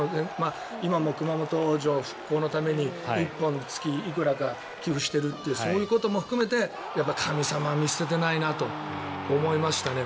今も熊本城復興のために１本につきいくらか寄付しているってそういうことも含めてやっぱり神様は見捨ててないなと思いましたね。